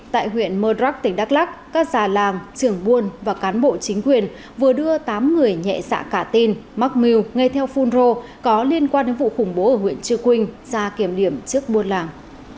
tại huyện mơ rắc tỉnh đắk lắc các già làng trưởng buôn và cán bộ chính quyền vừa đưa tám người nhẹ dạ cả tin mắc mưu ngay theo phun rô có liên quan đến vụ khủng bố ở huyện chư quynh ra kiểm điểm trước buôn làng